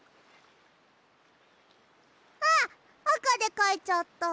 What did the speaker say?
あっあかでかいちゃった。